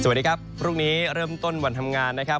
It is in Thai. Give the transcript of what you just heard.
สวัสดีครับพรุ่งนี้เริ่มต้นวันทำงานนะครับ